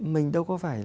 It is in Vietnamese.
mình đâu có phải